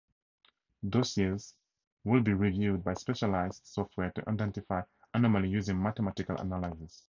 Dossiers would be reviewed by specialized software to identify anomalies using 'mathematical analysis.